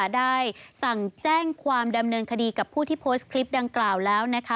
ได้สั่งแจ้งความดำเนินคดีกับผู้ที่โพสต์คลิปดังกล่าวแล้ว